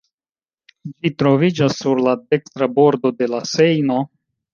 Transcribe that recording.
Ĝi troviĝas sur la dekstra bordo de la Sejno.